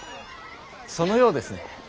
そのようですね。